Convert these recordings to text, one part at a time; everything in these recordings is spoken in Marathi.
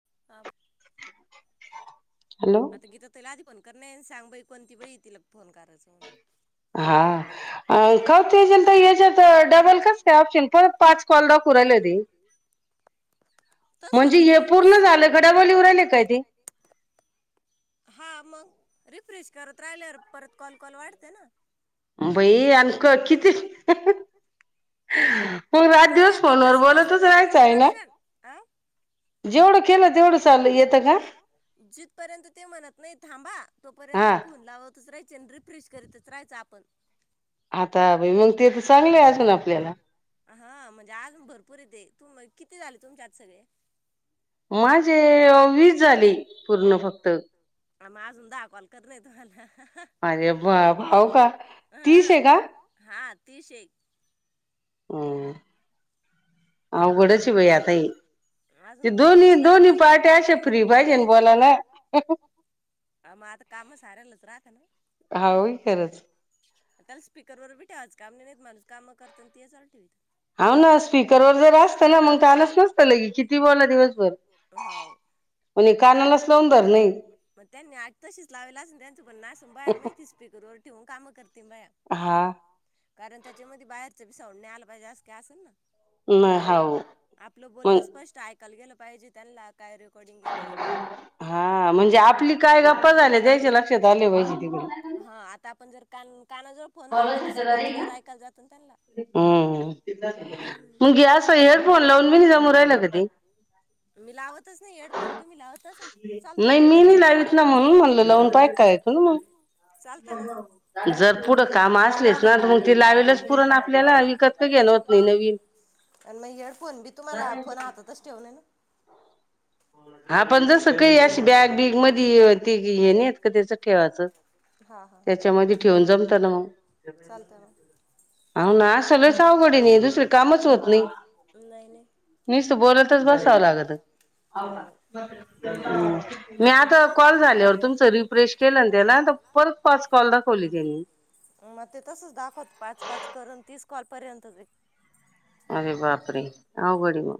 [unintelligible] आता गीत ताई ला आधी पण- क नई सांग बाई कोणती बाई तिला फोन करायच. हा का ओ तेजल ताई याच्यात डबल कस काय ऑप्शन परत पाच कॉल दाखवू राहील ते, म्हणजे हे पूर्ण झालं का? डबल येऊ राहिला काय ते? हा मग रिफ्रेश करत राहिल्यावर परत कॉल, कॉल वाढते ना. बाई आणख किती? मग रात दिवस फोनवर बोलतच राहायचं हाय ना? जेवढं केलं तेवढं चाल येतं का? जोपर्यंत ते म्हणत नाही थांबा, तोपर्यंत फोन लावतच तच रायचे. अन रिफ्रेश करीतच राहायचं आपण. हां म्हणजे आजून भरपूर ये ते. तुम किती झाले तुमचे आता सगळे? माझे अं वीस झाले, पूर् र्ण फक्त. आ म अजून दहा कॉल करन ये तुम्हाला. तीसेे. हं. अजून तुम्हाला दोन बाया पाहण ये. आ म आता काम साऱ्यांलाच राहत्या ना. त्याला स्पीकरवर बी ठेवायचं काम नही. न्हाईत माणूस काम करतं अन ते चालू ठेवतं. हाऊ ना स्पीकरवर जरी असतं हाऊ. म त्यांनी अट तशीच लावेल असेल, त्याचं म्हणणं असेल, बायांना माहिती स्पीकरव फो वर ठेऊन काम करत तील बाया. कारण त्याच्यामध्ये बायाच त्या मधी साउंड नाही आला पाहिजे असं काही असलं ना. नाय हाऊ म यला गेलं पाहिजे त्यांनला. काय रेकॉर्डिंग ये काय नही. हां आता आपण जर, कान. हं. मी लावतच नही हेडफोन. तुम्ही लावतअसाल त चालता ना. चालत ना मग. पुढं काम असलेच ना तर मग ते लावेलच पुरण आपल्याला. विकत का घेण होत नाही नवीन. अन मग हेडफोन बी तुम्हाला फोन आातच ठेवन ये ना. होय. हा पण जस काही अशी बॅग बीग मधी. ते हे नाही येत का त्याच ठेवायचं? त्याच्यामध्ये ठेवून जमत ना मग. हाऊ ना असं लईच आवघडे ना हे. दुसरे कामच होत नाही नुसतं बोलतच बसावं लागत. [unintelligible] हं, मी आता कॉल झाल्यावर तुमचा रिफ्रेश केलं ना त्याला तर परत पाच कॉल दाखवले त्यानी. कॉलपर्यंत जाई. अरे बापरे! अवघडे म.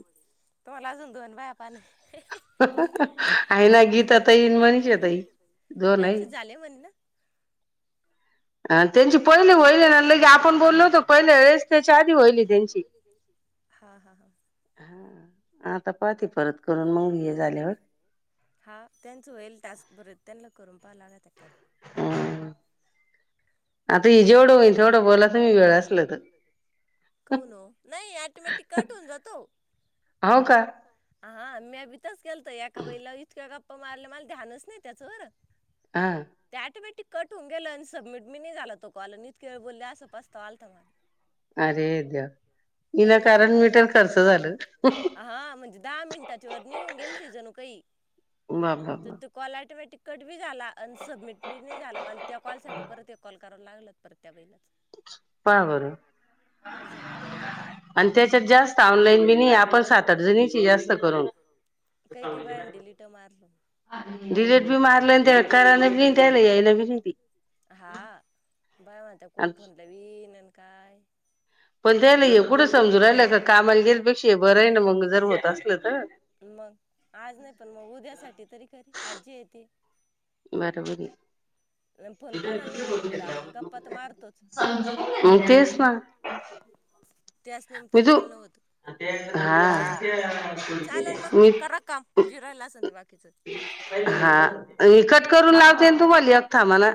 तुम्हाला अजून दोन बाया पाहण ये. [unintelligible] मनीषा ताई दोन आहे. [inaudible] त्यांची पहिली होईले ना लगि आपण बोललो होतो पहिले वेळेस त्याच्या आधी होईली त्यांची ह आता परत करून मग हे झाल्यावर करुन पाहायला आल्यात का? न नाही ऑटोमॅटिक कट होऊन जातो. हा म्या बी तसंच केलतं एका वेळेला इतक्या गप्पा मारल्या मला ध्यानच नाही त्याच्यावर ते ऑटोमॅटिक कट होऊन गेलं न् सबमिट बी नाही झाला तो. कॉलनीत [unintelligible] बोलले असा प्रस्ताव आलता मला त्याच्या मध्ये हा म्हणजे दहा मिनिटाच्या वर निघुन गेलते जणू काही तर ते कॉल ऑटोमॅटिक झाला आणि सबमिट बी नाही झाला मला त्या कॉल साठी परत एक कॉल करा. लागलं. परत त्या बाईलाच. असं‌ झालत् आणि त्याच्यात जास्त ऑनलाईन बी नाय आपण सात आठ जणीच आहे जास्त करून काय काय बायांनी डिलिट ही मारलं डिलिट बी मारलं अन करायला ही येईना त्यांना क [inaudible] [unintelligible] काय? मग झालं की कुठ समजू राहीलं कामाल गेलतोच की मग बरंय ना मग बोर होत असलं तर आज नाही पण मग उद्या साठी तरी खरी आजी आहे ती. बराबरंय पण गप्पा तर मारतोच. त्याच निमतानं बोलणं होतं हा‌ चालेलं मग करा काम जे राहीलं असंल ते बाकी हा मी कट करून लावते ना तुम्हाला थांब ना